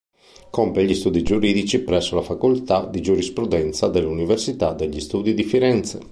Compie gli studi giuridici presso la Facoltà di Giurisprudenza dell'Università degli Studi di Firenze.